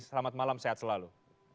selamat malam sehat selalu